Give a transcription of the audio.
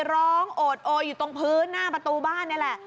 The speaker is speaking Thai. โอดโอยอยู่ตรงพื้นหน้าประตูบ้านนี่แหละ